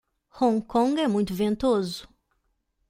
Hong Kong é muito ventoso